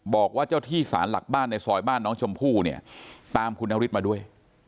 บอกว่าเจ้าที่สารหลักบ้านในซอยบ้านน้องชมพู่เนี่ยตามคุณนฤทธิมาด้วย